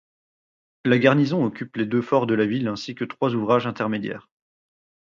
La garnison occupe les deux forts de la ville ainsi que trois ouvrages intermédiaires.